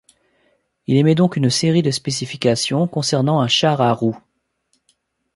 Il émet donc une série de spécifications concernant un char à roues.